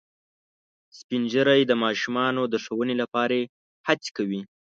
سپین ږیری د ماشومانو د ښوونې لپاره هڅې کوي